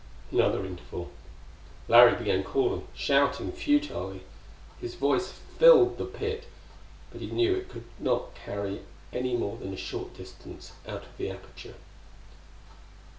Another interval. Larry began calling: shouting futilely. His voice filled the pit, but he knew it could carry no more than a short distance out of the aperture.